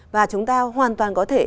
và chúng ta hoàn toàn có thể